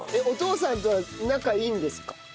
お父さんとは仲いいんですか？